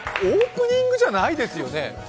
オープニングじゃないですよね。